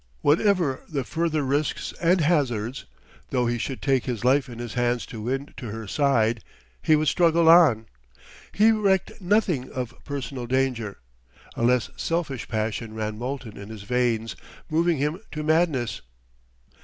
Whatever the further risks and hazards, though he should take his life in his hands to win to her side, he would struggle on. He recked nothing of personal danger; a less selfish passion ran molten in his veins, moving him to madness.